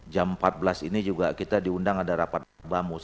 jam empat belas ini juga kita diundang ada rapat bamus